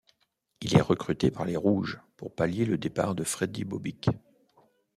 Il est recruté par les rouges pour pallier le départ de Fredi Bobic.